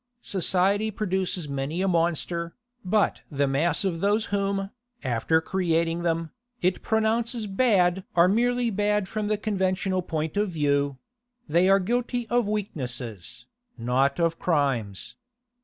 Society produces many a monster, but the mass of those whom, after creating them, it pronounces bad are merely bad from the conventional point of view; they are guilty of weaknesses, not of crimes.